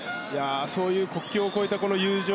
そういう国境を越えた友情。